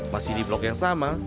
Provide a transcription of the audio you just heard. masih di blok yang sama